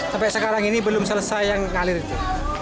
sampai sekarang ini belum selesai yang ngalir itu